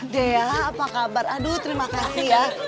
dea apa kabar aduh terima kasih ya